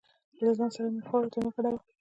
له ځان سره مې خړو ته مه ګډوه.